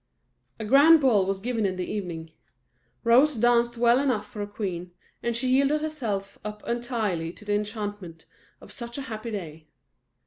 A grand ball was given in the evening. Rose danced well enough for a queen; and she yielded herself up entirely to the enchantment of such a happy day.